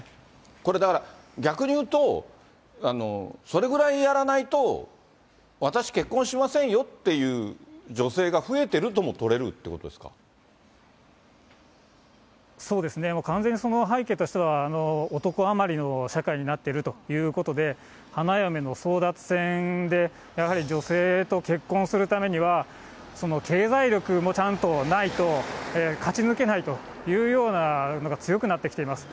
これ、だから逆に言うと、それぐらいやらないと、私、結婚しませんよっていう女性が増えているとも取れるということでそうですね、完全に、その背景としては男余りの社会になっているということで、花嫁の争奪戦で、やはり女性と結婚するためには、経済力もちゃんとないと勝ち抜けないというようなことが強くなってきています。